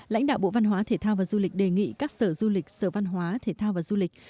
lãnh đạo bộ văn hóa thể thao và du lịch đề nghị các sở du lịch sở văn hóa thể thao và du lịch